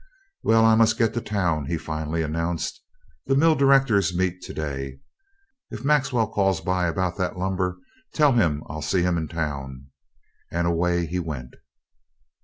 "Well, I must get to town," he finally announced. "The mill directors meet today. If Maxwell calls by about that lumber tell him I'll see him in town." And away he went.